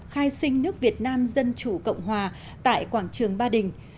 khai sinh nước việt nam dân chủ cộng hòa tại quảng trường ba đình